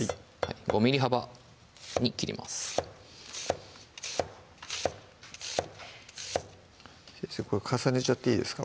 ５ｍｍ幅に切ります先生重ねちゃっていいですか？